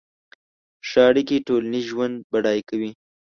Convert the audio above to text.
ښه اړیکې ټولنیز ژوند بډای کوي.